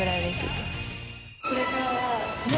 これからは。